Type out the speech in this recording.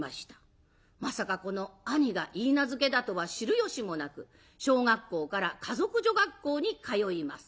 まさかこの兄が許嫁だとは知るよしもなく小学校から華族女学校に通います。